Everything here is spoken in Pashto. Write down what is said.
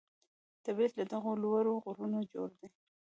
طبیعت له دغو لوړو غرونو جوړ دی.